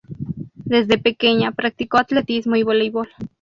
Desde pequeña practicó atletismo y voleibol.